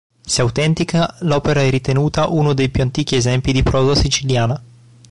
Se autentica, l'opera è ritenuta uno dei più antichi esempi di prosa siciliana.